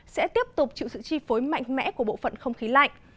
sẽ tiếp tục chịu sự chi phối mạnh mẽ của bộ phận không khí lạnh